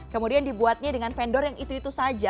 kemudian dibuatnya dengan vendor yang itu itu saja